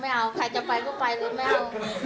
ไม่เอาใครจะไปก็ไปก็ไม่เอา